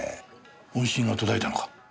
音信が途絶えたのか？